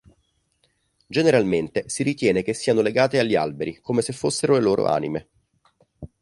Generalmente si ritiene che siano legate agli alberi, come se fossero le loro anime.